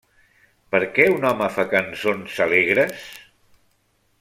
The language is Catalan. Per què un home fa cançons alegres?